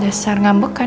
dasar ngambek kan